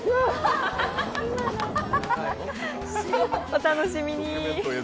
お楽しみに。